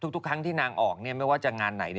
ทุกครั้งที่นางออกไม่ว่าจะงานไหน